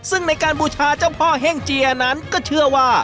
ซึ่งในการบูชาเจ้าพ่อเฮ่งเจียนั้นก็เชื่อว่า